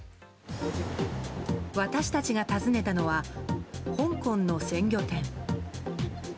私たちが訪ねたのは香港の鮮魚店。